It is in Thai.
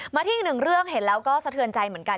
ที่อีกหนึ่งเรื่องเห็นแล้วก็สะเทือนใจเหมือนกัน